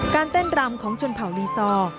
การเต้นรำของชนเผ่าลีซอร์